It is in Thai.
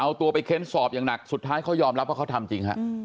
เอาตัวไปเค้นสอบอย่างหนักสุดท้ายเขายอมรับว่าเขาทำจริงฮะ